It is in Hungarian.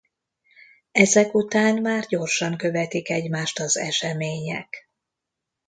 Ezek után már gyorsan követik egymást az események.